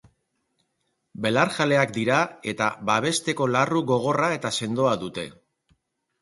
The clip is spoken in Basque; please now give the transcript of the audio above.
Belarjaleak dira eta babesteko larru gogorra eta sendoa dute.